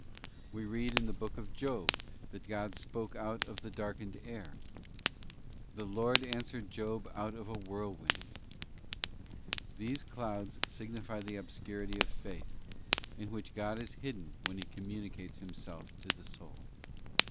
~ We read in the Book of Job, that God spoke out of the darkened air: 'The Lord answered Job out of a whirl wind.'{ These clouds signify the obscurity of faith, in which God is hidden when He communicates Himself to the soul.